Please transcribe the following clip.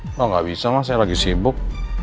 kalau enggak bisa mah saya lagi sibuk